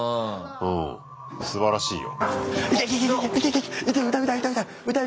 うんすばらしいよ。